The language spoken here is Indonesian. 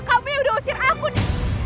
kamu yang sudah usir aku di